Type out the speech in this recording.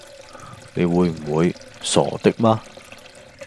你會唔會？傻的嗎！